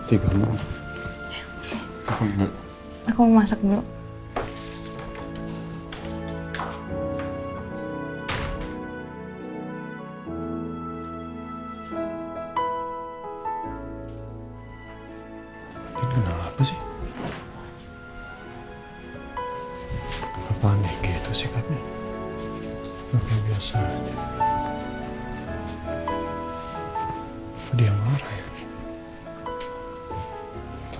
emang kenapa speak makasih